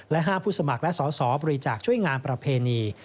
ห้ามผู้สมัครและสอสอบริจาคช่วยงานประเพณี